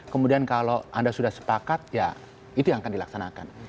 kemudian kalau anda sudah sepakat ya itu yang akan dilaksanakan